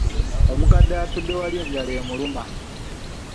Omukadde atudde wali enjala emuluma.